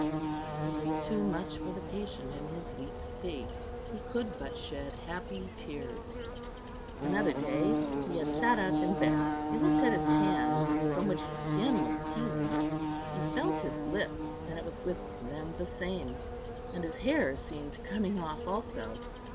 It was too much for the patient in his weak state; he could but shed happy tears. Another day he had sat up in bed. He looked at his hands, from which the skin was peeling; he felt his lips, and it was with them the same; and his hair seemed coming off also.